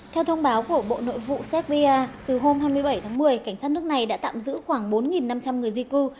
theo thông báo của bộ nội vụ serbia từ hôm hai mươi bảy tháng một mươi cảnh sát nước này đã tạm giữ khoảng bốn năm trăm linh người di cư